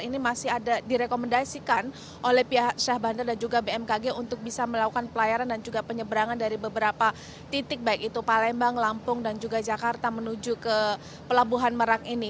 ini masih ada direkomendasikan oleh pihak syah bandar dan juga bmkg untuk bisa melakukan pelayaran dan juga penyeberangan dari beberapa titik baik itu palembang lampung dan juga jakarta menuju ke pelabuhan merak ini